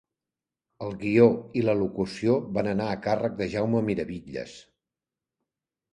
El guió i la locució van anar a càrrec de Jaume Miravitlles.